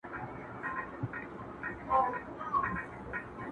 نقادان پرې اوږد بحث کوي ډېر.